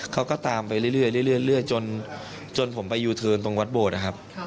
เขาก็ตามไปเรื่อยเรื่อยเรื่อยเรื่อยจนจนผมไปยูเทิร์นตรงวัดโบสถ์นะครับ